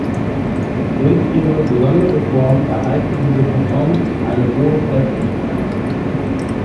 Durch ihre besondere Form erhalten diese Kartons eine hohe Festigkeit.